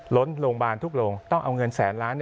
ล้นโรงพยาบาลทุกโรงต้องเอาเงินแสนล้าน